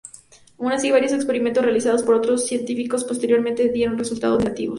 Aun así, varios experimentos realizados por otros científicos posteriormente dieron resultados negativos.